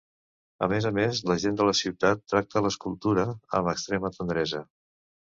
A més a més la gent de la ciutat tracta l'escultura amb extrema tendresa.